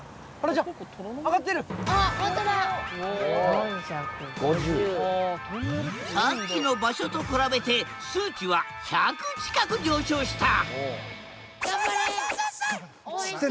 さっきの場所と比べて数値は１００近く上昇した！